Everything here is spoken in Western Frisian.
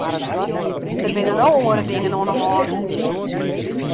Der binne no oare dingen oan de hân.